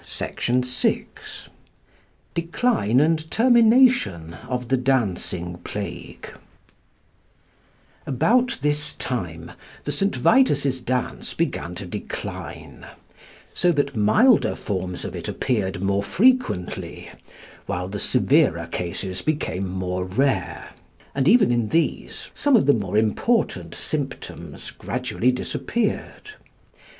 SECT. 6 DECLINE AND TERMINATION OF THE DANCING PLAGUE About this time the St. Vitus's dance began to decline, so that milder forms of it appeared more frequently, while the severer cases became more rare; and even in these, some of the important symptoms gradually disappeared.